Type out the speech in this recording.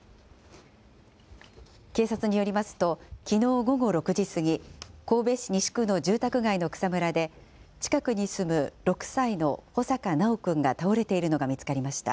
警察によりますと、きのう午後６時過ぎ、神戸市西区の住宅街の草むらで、近くに住む６歳の穂坂修くんが倒れているのが見つかりました。